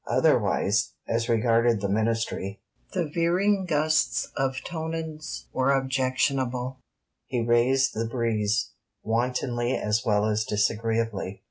Otherwise, as regarded the Ministry, the veering gusts of Tonans were objectionable: he 'raised the breeze' wantonly as well as disagreeably.